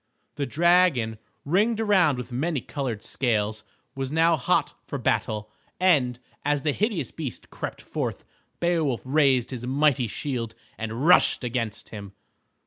The dragon, ringed around with many colored scales, was now hot for battle, and, as the hideous beast crept forth, Beowulf raised his mighty shield and rushed against him.